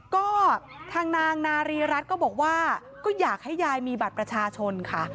ก็ทางนางนารีรัฐก็บอกว่าก็อยากให้ยายมีบัตรประชาชนค่ะ